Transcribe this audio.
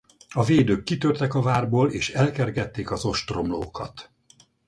A védők kitörtek a várból és elkergették az ostromlókat.